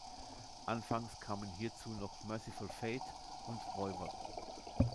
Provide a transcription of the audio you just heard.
Anfangs kamen hierzu noch Mercyful Fate und Voivod.